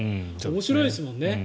面白いですもんね。